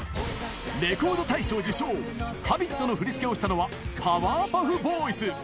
レコード大賞受賞、Ｈａｂｉｔの振り付けをしたのは、パワーパフボーイズ。